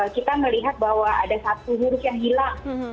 kita melihat bahwa ada satu huruf yang hilang